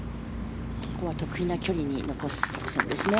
ここは得意な距離に残す作戦ですね。